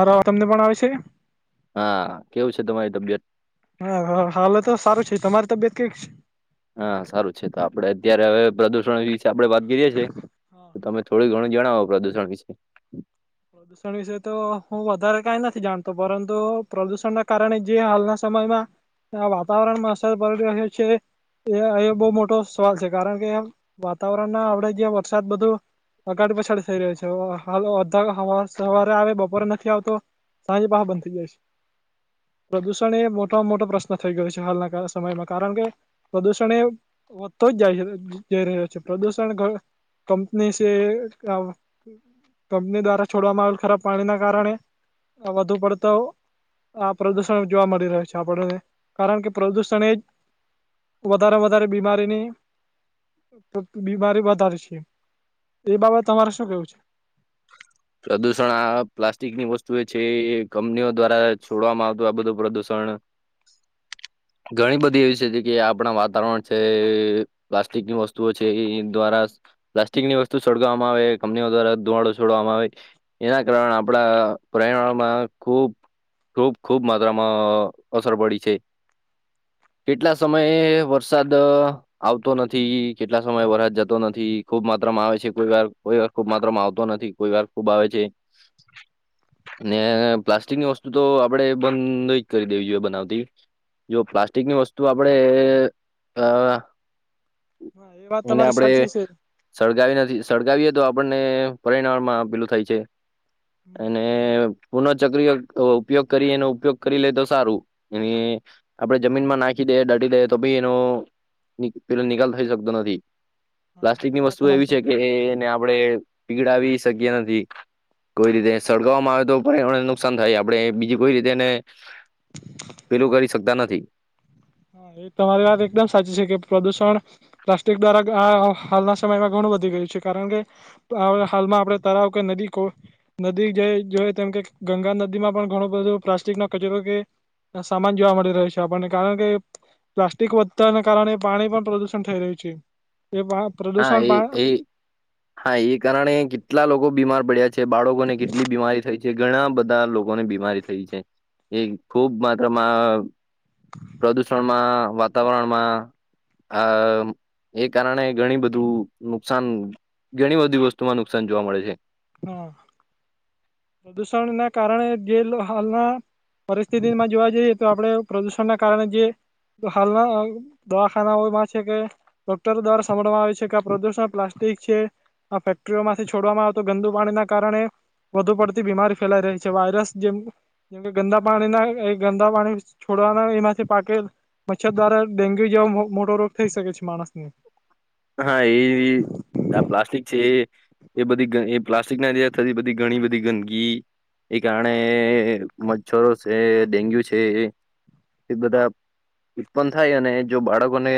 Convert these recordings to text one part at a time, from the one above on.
મારો તમને પણ આવે છે હા કેવું છે, તમારી તબિયત? હા હા હાલ તો સારું છે, તમારી તબિયત કેવીક હા સારું છે, તો આપડે અત્યારે હવે પ્રદુષણ વિશે આપડે વાત કરીએ છીએ હા, તમે થોડું ઘણું જણાવો પ્રદૂષણ વિશે પ્રદુષણ વિશે તો હું વધારે કાઈ નથી જાણતો પરંતુ પ્રદુષણના કારણે જે હાલના સમયમાં આ વાતાવરણમાં અસર પડી રહ્યો છે. એ અયા બો મોટો સવાલ છે, કારણ કે વાતાવરણના આપડે જયાં વરસાદ બધો અગાડી પછાડી થઈ રહ્યો છે, હાલો ત હવાર સવારે આવે બપોરે નથી આવતો સાજે પાહ બંધ થઈ જાય પ્રદૂષણ એ મોટામાં મોટો પ્રશ્ન થઈ ગયો છે, હાલના સમયમાં કારણ કે પ્રદૂષણે એ વધતો જાય જઈ રહ્યો છે, પ્રદુષણ ધ કંપની [unintelligible] કંપની દ્વારા છોડવામાં આવેલ ખરાબ પાણીના કારણે વધુ પડતો આ પ્રદુષણ જોવા મળી રહ્યો છે, આપણને કારણ કે પ્રદુષણ એ જ વધારે વધારે બીમારીની બીમારી વધારે છે, એ બાબત તમારે શું કેવું છે? પ્રદુષણ આ પ્લાસ્ટિકની વસ્તુ એ છે, એ કંપનીઓ દ્વારા છોડવામાં આવતું આ બધું પ્રદુષણ ઘણી બધી એવી છે, કે આપણા વાતાવરણ છે. પ્લાસ્ટિકની વસ્તુઓ છે, એ દ્વારા પ્લાસ્ટિકની વસ્તુ સોળગવામાં આવે કંપનીઓ દ્વારા ધુવાડો છોડવામાં આવે એના કારણે આપણા પ્ર્યાવરણમાં ખૂબ ખૂબ ખુબ માત્રામાં અસર પડી છે. કેટલા સમયે વરસાદ આવતો નથી કેટલા સમય વરસાદ જતો નથી ખુબ માત્રામાં આવે છે, કોઈ વાર કોઈ ખુબ માત્રમાં આવતો નથી કોઈ વાર ખુબ આવે છે. ને પ્લાસ્ટિકની વસ્તુ તો આપડે બંધ ન જ કરી દેવી જોઈએ બનાવતી જો પ્લાસ્ટિકની વસ્તુ આપડે અ હા એ વાત એને તમારી આપડે સાચી છે સળગાવી નથી સળગાવીએ તો આપણને પરિણામમાં પેલું થય છે. અને પુનઃચક્રીયો ઉપયોગ કરી એનો ઉપયોગ કરી લે તો સારું એને આપડે જમીનમાં નાખી દેએ દાટી દેયે તો બી એનો પેલો નિકાલ થઈ શકતો નથી. હા એ પ્લાસ્ટિકની વાત વસ્તુ તમારી એવી છે, સાચી કે એને આપણે પીગડાવી શકીએ નથી. કોઈ રીતે સળગાવવામાં આવે તો પણને નુકસાન થાય આપણે બીજી કોઈ રીતેને પેલું કરી શકતા નથી હા એ તમારી વાત એકદમ સાચી છે, કે પ્રદુષણ પ્લાસ્ટિક દ્વારા હાલના સમયમાં ઘણું વધી ગયું છે, કારણ કે હાલમાં આપડણે તરાવ કે નદી ક નદી જોય તેમ કે ગંગા નદી માં પણ ઘણો બધો પ્લાસ્ટિક ન કચરો કે સામાન જોવા મળી રહ્યો છે આપણને કારણ કે પ્લાસ્ટિક વધતાના કારણે પાણી પણ પ્રદુષણ થઈ રહ્યું છે, એ હા પ્રદુષણ એ પા એ હા એ કારણે કેટલા લોકો બીમાર પડ્યા છે બાળકોને કેટલી બીમારી થઈ જે ઘણા બધા લોકોની બીમારી થઈ છે, એ ખુબ માત્રમાં પ્રદુષણમાં વાતાવરણમાં આ એ કારણે ઘણી બધું નુકસાન ઘણી બધી વસ્તુમાં નુકસાન જોવા મળે છે. હા પ્રદુષણના કારણે ગેલ હાલના પરિસ્થિતિમાં જોવા જઈએ તો આપણે પ્રદુષણના કારણે જે તો હાલના દવાખાના ઓયમાં છે કે ડોક્ટર દ્વારા સમભવામાં આવે છે કે આ પ્રદુષણ પ્લાસ્ટિક છે, આ ફેક્ટરીઓમાંથી છોડવામાં આવ તો ગંદુ પાણી ના કારણે વધુ પડતી બીમારી ફેલાઈ રહી છે વાયરસ જેમ જેમ કે ગંદા પાણીના એ ગંદા પાણી છોડવાના એમાંથી પાકે મચ્છર દ્વારા ડેન્ગ્યુ જેવા મોટો રોગ થઈ શકે છે માણસ ને. હા એ આ પ્લાસ્ટિક છે એ. એ બધી એ પ્લાસ્ટિક ના થતી બધી ઘણી બધી ગંદગી. એ કારણે મચ્છરો છે ડેન્ગ્યુ છે. એ બધા ઉત્પન્ન થાય અને જો બાળકોને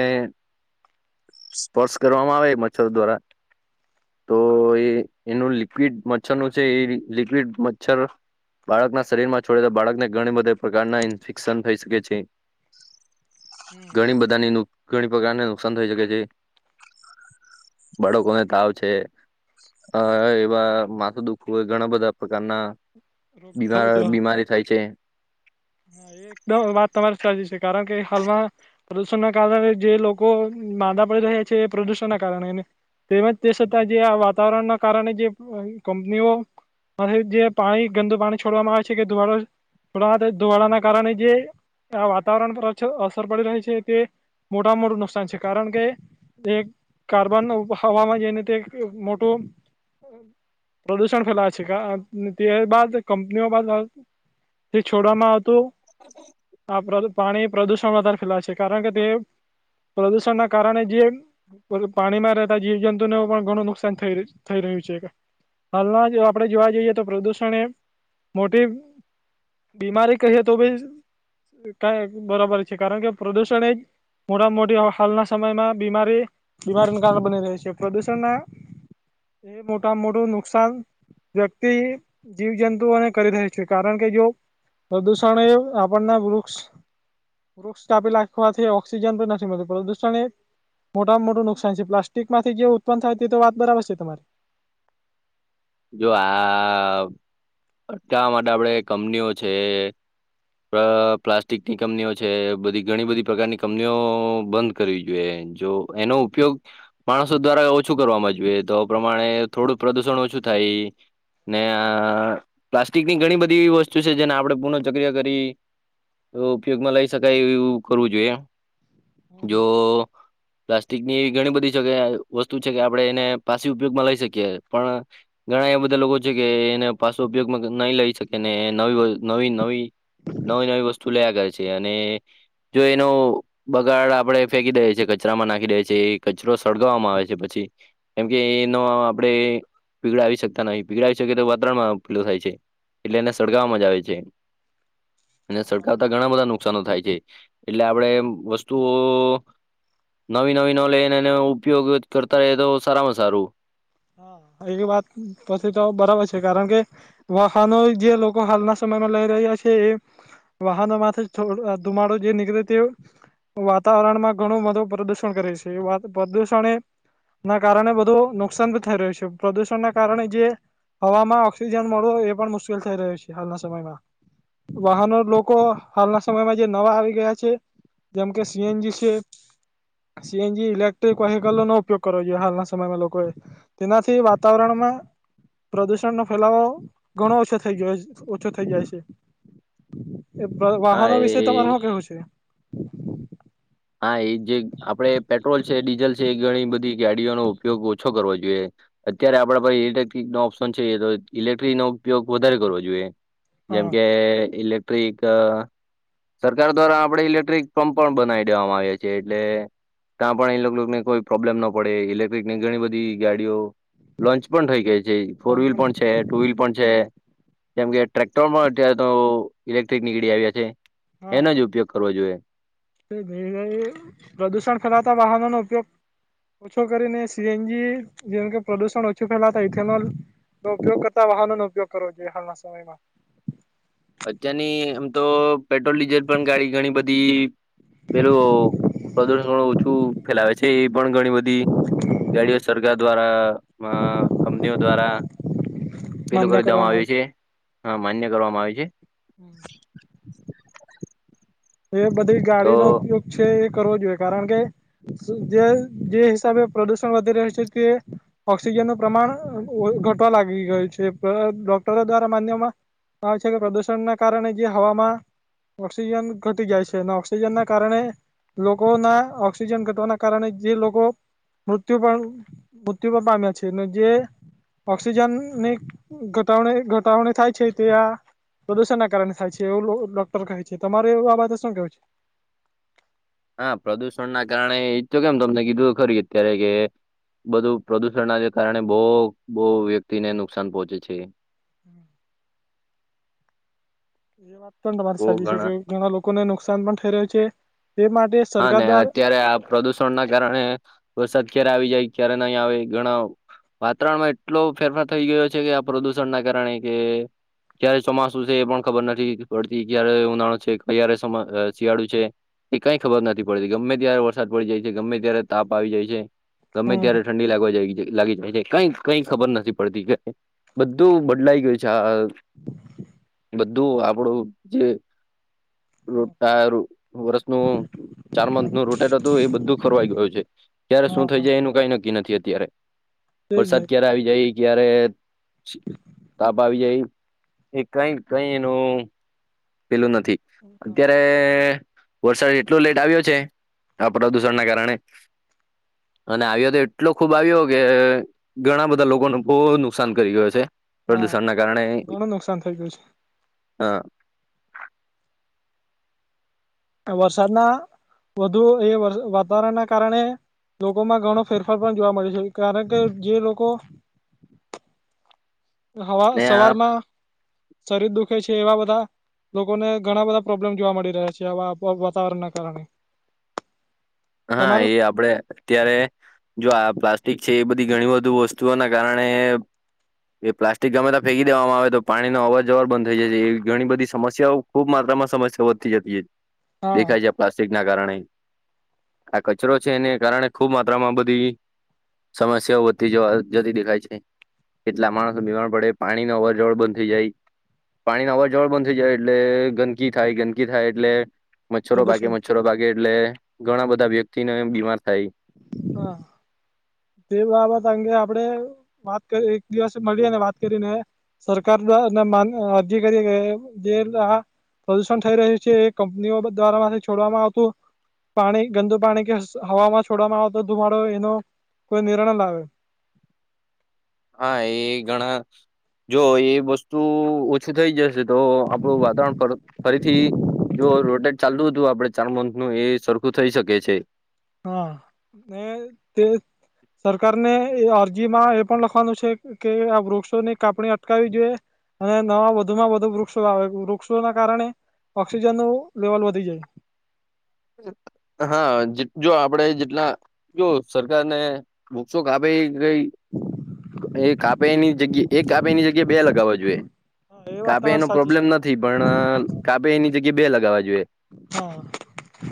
સ્પર્શ કરવામાં આવે મચ્છરો દ્વારા. તો એ એનું લિક્વિડ મચ્છરનું છે એ લિક્વિડ મચ્છર બાળક ના શરીર માં છોડે તો બાળકને ઘણી બધા પ્રકારના ઇન્ફેક્શન થઈ શકે છે. હમ. ઘણી બધાની ઘણી પ્રકારને નુકસાન થઈ શકે છે. બાળકો ને તાવ છે. હ એવા માથું દુખવ હોય ઘણા બધા પ્રકારના. રોગ બીમાર થયો બીમારી થાય છે. હા એકદમ વાત તમારી સાચ છે કારણ કે હાલમાં પ્રદુષણ ના કારણે જે લોકો દા પડી રહ્યા છે એ પ્રદુષણ ના કારણે. તેમજ તે છતાં જે આ વાતાવરણના કારણે જે કંપનીઓ જે પાણી ગંદુ પાણી છોડવામાં આવે છે કે દુવાડો છોડ દુવાડાના કારણે જે આ વાતાવરણ પર અસર પડી રહી છે તે, મોટા મોટું નુકસાન છે, કારણ કે તે કાર્બન હવામાં જઈને તે મોટું પ્રદુષણ ફેલાય છે તે્યાર બાદ કંપનીઓ બાદો આવતું આ પાણી પ્રદુષણ ફેલાય છે કારણ કે તે. પ્રદુષણ ના કારણે જે પાણી માં રહેતા જીવ જંતુને પણ ઘણું નુકસાન થઈ થઈ રહ્યું છે. હાલના જો આપણેે જોવા જઈએ તો પ્રદુષણ એ મોટી બીમારી કહીએ તો બી કઈ બરોબર છે કારણ કે પ્રદુષણ એક મોટ મોટી હાલના સમયમાં બીમારી. બીમારીનું કારણ બની રહી છે, પ્રદુષણના એ મોટા મોટું નુકસાન. વ્યક્તિ જીવજંતુઓને કરી રહી છે કારણ કે જો પ્રદૂષણ એ આપણના વૃક્ષ વૃક્ષ કાપી લખવાથી ઓક્સિજન પણ નથી મળત પર દુષ મોટામાં મોટું નુકસાન છે પ્લાસ્ટિક માંથી જે ઉત્પન્ન થાય તે તો વાત બરાબર છે તમારી. જો આ અટકાવવા માટે આપડે કંપનીઓ છે. પ્લાસ્ટિકની કંપનીઓ છે બધી ઘણી બધી પ્રકારની કંપનીઓ બંધ કરવી જોઈએ જો એનો ઉપયોગ. માણસો દ્વારા ઓછું કરવાવામાંજ તો પ્રમાણે થોડું પ્રદુષણ ઓછું થાય. ને પ્લાસ્ટિકની ઘણી બધી એવી વસ્તુ છે જેને આપડણે પુન ચક્ર કરી ઉપયોગમાં લઈ શકાય એવું કરવું જોઈએ એમ. જો. પ્લાસ્ટિકનીવી ઘણી બધી જગ વસ્તુ છે કે આપડણે એને પાછી ઉપયોગમાં લઈ શકીએ પણ ઘણા એવા બધા લોકો છે કે એને પાછો ઉપયોગમાં નહી લઈ શકે ને નવી નવી નવી નવી નવી વસ્તુ લયા કરે છે અને, જો એનો બગાડ આપડે ફેંકી દઈએ છીએ કચરામાં નાખી દે એ કચરો સળગાવવામાં આવે છે પછી. કેમકે એનો આપણે પીગળાવ શકતા નહ પીગળાવી શકીએ તો વાતાવરણમાં પીલું થાય છે. એટલે એ સળગાવમાં જ આવે છે. અને હા સરકારતા ઘણા બધા નુકસનો થાય છે, એટલે આપણેે વસ્તુઓ નવી નવી નોલેજ એ ઉપયોગ કરતા રહે તો સારામાં સારું. હા એ વાત પછી તો બરાબર છે કારણ કે વાહનો જે લોકો હાલના સમયમાં લઈ રહ્યા છે એ વાહનો માંથી થોડો ધુમાડો જે નીકળે તેઉ વાતાવરણ માં ઘણું બધું પ્રદુષણ કરે છે પ્રદુષણ એ ના કારણે બધું નુકસાન ભી થઈ રહ્યું છે પ્રદુષણ ના કારણે જે હવામાં ઓક્સિજન મળો એ પણ મુશ્કેલ થઈ રહ્યું છે હાલના સમયમાં વાહનો લોકો હાલના સમયમાં જે નવા આવી ગયા છે. જેમ કે સીએનજી છે. સીએનજી ઇલેક્ટ્રિક વકાલ નો ઉપયોગ કરો જોઈએ હાલના સમયમાં લોકોએ તેનાથી વાતાવરણમાં પ્રદુષણનોો ફેલાવો ઘણો ઓછો થઈ ગયો ઓછો થઈ જાય છે. એ હા વાહનો વિશે તમારે એ શું કેવું છે. હા એ જે આપડ પેટ્રોલ છે ડીઝલ છે એ ઘણી બધી ગાડીઓનો ઉપયોગ ઓછો કરવો જોઈએ. અત્યારે આપડ પાસે ઇલેક્ટ્રિક નો ઓપ્શન છે તો ઇલેક્ટ્રિક નો ઉપયોગ વધારે કરવો જોઈએ. જેમ હા કે ઇલેક ક્રિક સરકાર દ્વારા આપડે ઇલેક્ટ્રિક પંપ પણ બનાવી દેવામાં આવ્યો છે એટલે ત્યાં પણ ઇલેક્ટ્રિકને કોઈ પ્રોબ્લેમ ન પડે ઇલેક્ટ્રિકની ઘણી બધી ગાડીઓ લોન્ચ પણ થઈ ગઈ છે ફોર વ્હીલ પણ છે ટુ વ્હીલ પણ છે. જેમ કે ટ્રેક્ટર પણ અત્યારે તો ઇલેક્ટ્રિક નીકળી આવ્યા છે એનો જ ઉપયોગ કરવો જોઈએ. એ એઆઈ એ પ્રદુષણ ફેલાતા વાહનો નો ઉપયોગ ઓછો કરીને સીએનજી જેમ કે પ્રદુષણ ઓછું ફેલાતા ઇથેનોલ નો ઉપયોગ કરતા વાહનો નો ઉપયોગ કરવો જોઈએ હાલના સમયમાં અત્યારની આમ તો પેટ્રોલ ડીઝલ પણ ગાડી ઘણી બધી. પેલું પ્રદુષણ ઓછું ફેલાવે છે એ પણ ઘણી બધી. ગાડીઓ સરકાર દ્વારા કંપનીઓ દ્વારા પેલું માન્ય કરી દેવામાં કરવામાં આવ્યું છે હા માન્ય કરવામાં આવે છે. આવે [inaudible] એ બધી તો ગાડી નો ઉપયોગ છે એ કરવો જોઈએ કારણ કે જે જે હિસાબે પ્રદુષણ વધી રહ્યું છે તે ઓક્સિજન નું પ્રમાણ ઘટવા લાગી ગયું છે ડોક્ટરો દ્વારા માન્યમાં આવે છે કે પ્રદુષણના કારણે જે હવામાં ઓક્સિજન ઘટી જાય છે અને ઓક્સિજન ના કારણે લોકો ના ઓક્સિજન ઘટવાના કારણે જે લોકો મૃત્યુ પણ મૃત્યુ પણ પામ્યા છે જે ઓક્સિજન ની ઘટણી ઘટાવણી થાય છે તે આ પ્રદુષણ ના કારણે થાય છે એવું ડોક્ટર કહે છે તમારે આ વા શું કેવું છે. હા પ્રદૂષણ ના કારણે એ તો કેમ તમને કીધું ખરી અત્યારે કે બધું પ્રદુષણને કારણે બહુ બહુ વ્યક્તિને નુકસાન પોહોંચે છે. હમ. એ વાત પણ તમારી સાચી છે કે ઘણા લોકોને નુકસાન પણ થઈ રહ્યું છે એ માટે હા સરકાર ને દ્વારા અત્યારે આપ. પ્રદુષણ ના કારણે વરસાદ ક્યારે આવી જાય ક્યારે નહીં આવે ઘણા વાતાવરણમાં એટલો ફેરફાર થઈ ગયો છે કે આ પ્રદુષણ ના કારણે કે ક્યારે ચોમાસું છે એ પણ ખબર નથી પડતી ક્યારે ઉનાળુ છે ક્યારે શિયાળુ છે. એ કઈ ખબર નથી પડતી ગમે ત્યારે વરસાદ પડી જાય છે ગમે ત્યારે તાપ આવી જાય છે. ગમે હમ ત્યારે ઠંડી લાગવા જાય લાગી જાય છે કઈ કઈ ખબર નથી પડતી કે બધું બદલાઈ ગયું છે આ બધું આપડું જે, રટ વર્ષનું ચાર મંથ નું રોટેટ હતું એ બધું ખરવાઈ ગયું છે. ક્યારે શું હા થઈ હા જાય એનું કઈ નક્કી નથી અત્યારે, તેજ વરસાદ ને ક્યારે આવી જાય. જયારે તાપ આવી જાય, એ કઈક કઈ એનું પેલું નથી, હા અત્યારે વરસાદ એટલો લેટ આવ્યો છે. આ હા પ્રદુષણ ના કારણે, અને આવ્યો તો એટલો ખુબ આવ્યો કે ઘણા બધા લોકોને બહુ નુકસાન કરી ગયો છે. એ હા દિવસા કારણે ઘણું નુકસાન થઈ ગયું હ. વરસાદના વધુ એ વાતાવરણ ના કારણે. લોકોમાં ઘણો ફેરફાર પણ જોવા મળે છે કારણ કે જે લોકો હવા ને આ સવારમાં શરીર દુખે છે એવા બધા લોકોને ઘણા બધા પ્રોબ્લેમ જોવા મળી રહ્યા છે આ વાતાવરણના કારણે. હા તમારું એ આપડે અત્યારે, જો આ પ્લાસ્ટિક છે એ બધી ઘણી બધી વસ્તુઓના કારણે એ પ્લાસ્ટિક ગમેતા ફેંકી દેવામાં આવે તો પાણીનો અવર જવર બંધ થઈ જાય છે એવી ઘણી બધી સમસ્યાઓ. ખુબ માત્રામાં સમસ્યા વધતી જતી છે, હા દેખાય છે પ્લાસ્ટિક ના કારણે. આ કચરો છે એને કારણે ખુબ માત્રામાં બધી સમસ્યાઓ વધતીવા જતી દેખાય છે, કેટલા માણસો બીમાર પડે. પાણી ન અવર જવર બંધ થઈ જાય. પાણી ન અવા જવળ બંધ થઈ જાય એટલે ગંદકી થાય ગંદકી થાય એટલે. મચ્છરો પાકે પ્રદુષણ મચ્છરો પાકે એટલે ઘણા બધા વ્યક્તિ ને બીમાર થાય. હા. તે બાબત અંગે આપડે વાત કરી એક દિવસ મળીએ ને વાત કરીને. સરકાર ના ના માન અધિકારી જે પ્રદુષણ થઈ રહ્યું છે એ કંપનીઓ દ્વારા થી છોડવામાં આવતું. પાણી ગંદુ પાણી કે હમાં છોડવામાં આવે તો ધુમાડો એનો કોઈ નિર્ય લાવે. હા એ ઘણા જો એ વસ્તુ ઓછું થઈ જશે તો આપણું વાતાવરણ ફરીથી જો રોટેટ ચાલુ હતું આપડે ચાર મંથ નું એ સરખું થઇ શકે છે. હા, ને તે સરકાર ને અરજીમાં એ પણ લખવાનું છે. કે આ વૃક્ષોને કાપણી અટકાવી જોઈએ. અને નવા વધુમાં વધુ વૃક્ષો આવે વૃક્ષોના કારણે, ઓક્સિજન નું લેવલ વધી જાય. હા જે જો આપડે જેટલા જો સરકારને વૃક્ષો કાપે ગઈ એ કાપ કાપેની જગ્યા એક કાપેની જગ્યા બે લગાવવા જોઈએ, હા એ વાત કાપેનો તમારી સાચી પ્રોબ્લેમ છે નથી. નથી પણ કાપે એની જગ્યા બે લગાવવા જોઈએ. હા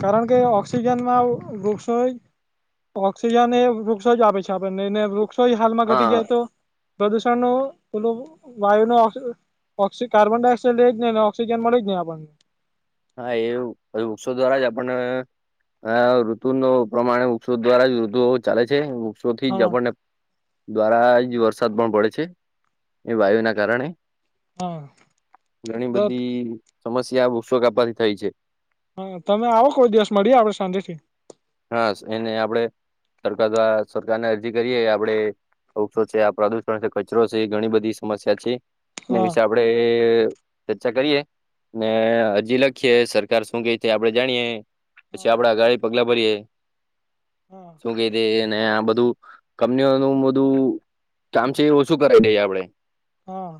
કારણ કે ઓક્સિજનમાં વૃક્ષો હોય. ઓક્સિજન એ વૃક્ષો જ આપે છે આપણને એને વૃક્ષો હાલમાં ઘટી હા. જાય તો. પ્રદુષણ ન વાયુ ન ઓક્ કાર્બન ડાયોક્સાડ લે જ ને ઓક્સિજન મળ જ ને આપણને. હા એ વૃક્ષો દ્વારા જ આપણ હા ઋતુ ન પ્રમાણે વૃક્ષો દ્વારા જ ઋતુ ચાલે છે વૃક્ષોથી જ હા આપણને દ્વારા જ વરસાદ પણ પડે છે, એ વાયુ ના કારણે. હા ઘણી તો બધી સમસ્યા વષો કાવાથી થાય છે. હા તમે આવો કોઈ દિવસ મળીએ આપડે સાંજે થી. હા એને આપડે સરકાર દ્વારા સરકારને અરજી કરીએ આપડે. વક્ષો છે આ પ્રદુષણ કચરો છે એ ઘણી બધી સમસ્યા છે, એ હા હસાબ. આપડે ચર્ચા કરીએ. ને હજી લખીએ સરકાર શું ક છે આપડે જાણીએ. પછી હા આપડા ગાડી પગલા ભરીએે, શું કેને આ બધું કંપનીઓનું બધું કામ છે એ ઓછું કરાવ દઈએ આપડે. હા.